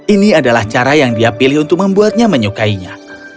ini adalah cara yang dia pilih untuk membuatnya menyukainya